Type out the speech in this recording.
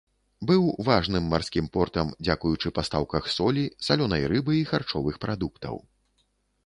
Быў важным марскім портам дзякуючы пастаўках солі, салёнай рыбы і харчовых прадуктаў.